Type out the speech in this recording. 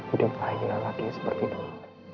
udah gak gila lagi seperti dulu